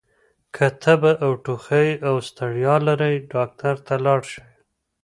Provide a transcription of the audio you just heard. که تبه، ټوخۍ او ستړیا لرئ ډاکټر ته لاړ شئ!